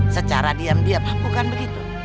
secara diam diam bukan begitu